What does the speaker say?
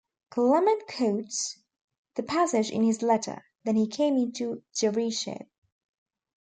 Clement quotes the passage in his letter: Then he came into Jericho.